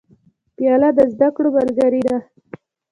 پیاله د زده کړو ملګرې ده.